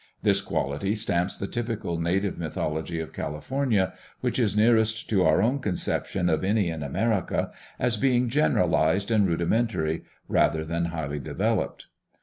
This quality stamps the typical native mythology of California, which, is nearest to our own conceptions of any in America, as being generalized and rudimentary rather than highly developed.